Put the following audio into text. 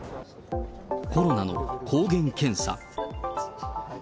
コロナの抗原検査。